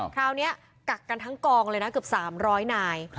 คราวนี้กักกันทั้งกองเลยนะกับ๓๐๐นาย